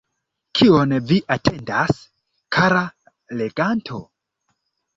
Kion Vi atendas, kara leganto?